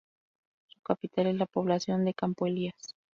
Su capital es la población de Campo Elías.